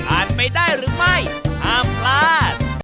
ไปได้หรือไม่ห้ามพลาด